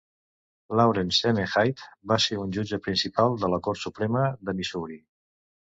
Laurance M. Hyde va ser un jutge principal de la Cort Suprema de Missouri.